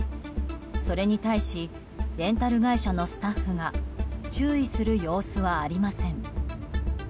それに対しレンタル会社のスタッフが注意する様子はありません。